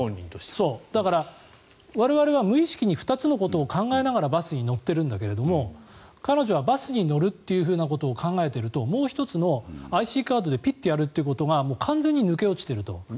だから、我々は無意識に２つのことを考えながらバスに乗ってるんだけど彼女はバスに乗るということを考えているともう１つのＩＣカードでピッとやるということが完全に抜け落ちてると。